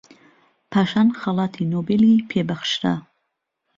پاشان خەڵاتی نۆبێلی پێ بەخشرا